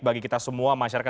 bagi kita semua masyarakat